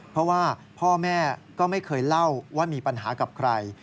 เพราะว่าพ่อแม่ก็ไม่เคยเล่าว่ามีปัญหากับใคร